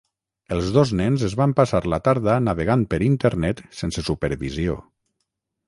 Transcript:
Els dos nens es van passar la tarda navegant per internet sense supervisió.